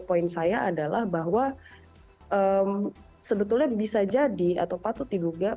poin saya adalah bahwa sebetulnya bisa jadi atau patut diduga